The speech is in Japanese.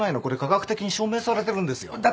これ科学的に証明されてるんですよ。